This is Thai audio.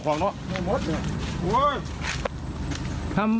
พี่ครับ